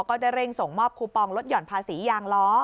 ก็ได้เร่งส่งมอบคูปองลดหย่อนภาษียางล้อ